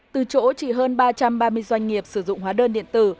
từ chỗ chỉ hơn ba trăm ba mươi doanh nghiệp sử dụng hóa đơn điện tử